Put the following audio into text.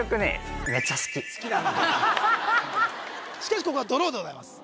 しかしここはドローでございます